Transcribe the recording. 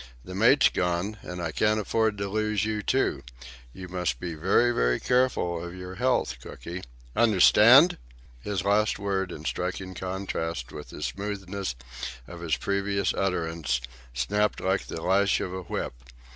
The mate's gone, so I can't afford to lose you too. You must be very, very careful of your health, Cooky. Understand?" His last word, in striking contrast with the smoothness of his previous utterance, snapped like the lash of a whip.